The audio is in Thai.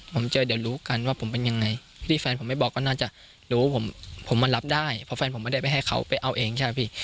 ผมเจอเดี๋ยวรู้กันว่าผมเป็นยังไงที่แฟนผมไม่บอกก็น่าจะรู้ผมมารับได้เพราะแฟนผมไม่ได้ไปให้เขาไปเอาเองใช่ไหมพี่